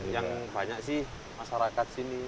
yang banyak sih masyarakat sini